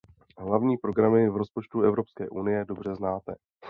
Hlavní programy v rozpočtu Evropské unie dobře znáte.